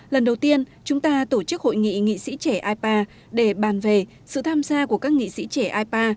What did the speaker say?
lần đầu tiên chúng ta tổ chức hội nghị nghị sĩ trẻ ipa để bàn về sự tham gia của các nghị sĩ trẻ ipa